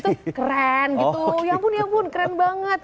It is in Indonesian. tuh keren gitu ya ampun ya ampun keren banget